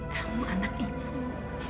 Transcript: kamu anak ibu